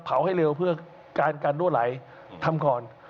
ให้เร็วเพื่อการรั่วไหลทำก่อน